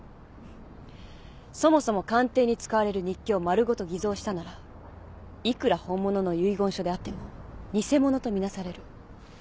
そもそも鑑定に使われる日記を丸ごと偽造したならいくら本物の遺言書であっても偽物と見なされる。